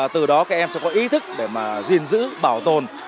từ đó các em sẽ có ý thức để mà gìn giữ bảo tồn